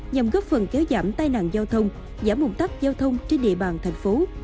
nhằm góp phần kéo giảm tai nạn giao thông giảm bùng tắt giao thông trên địa bàn thành phố